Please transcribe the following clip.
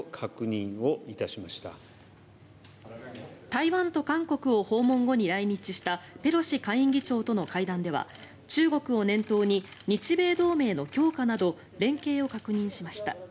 台湾と韓国を訪問後に来日したペロシ下院議長との会談では中国を念頭に日米同盟の強化など連携を確認しました。